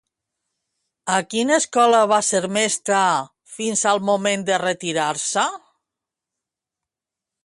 A quina escola va ser mestra fins al moment de retirar-se?